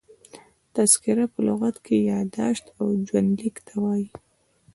تذکره په لغت کښي یاداشت او ژوند لیک ته وايي.